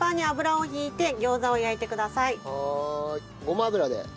ごま油で？